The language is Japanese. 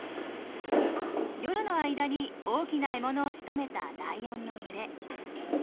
夜の間に大きな獲物をしとめたライオンの群れ。